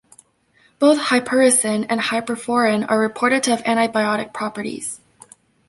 Both hypericin and hyperforin are reported to have antibiotic properties.